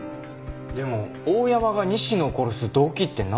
でも大山が西野を殺す動機ってなんですか？